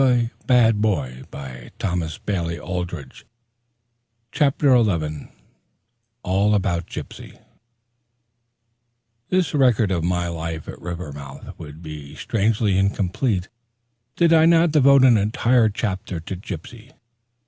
(1) "Tom Brown's School Days at Rugby" Chapter Eleven All About Gypsy This record of my life at Rivermouth would be strangely incomplete did I not devote an entire chapter to Gypsy.